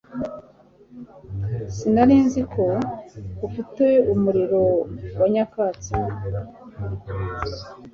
Sinari nzi ko ufite umuriro wa nyakatsi